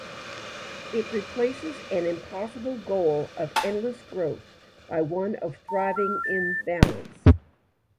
It replaces an impossible goal of endless growth by one of thriving in balance.